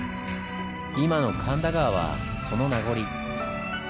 今の神田川はその名残。